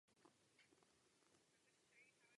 Královna jim nicméně záhy udělila milost.